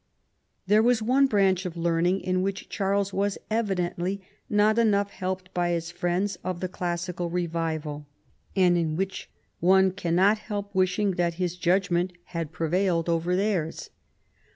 There was one branch of learning in which Charles was evidently not enough helped by his friends of the classical revival, and in which one cannot help wish ing that his judgment had prevailed over theirs.